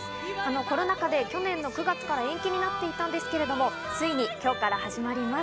コロナ禍で去年の９月から延期になっていたんですけど、ついに今日から始まります。